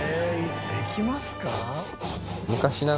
「できますか？」